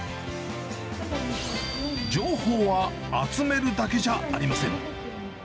情報は集めるだけじゃありません。